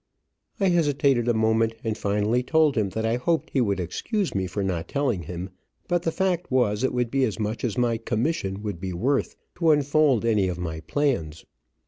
I hesitated a moment, and finally told him that I hoped he would excuse me for not telling him, but the fact was it would be as much as my "commission" would be worth to unfold any of my plans.